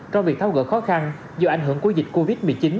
trong việc tháo gỡ khó khăn do ảnh hưởng của dịch covid một mươi chín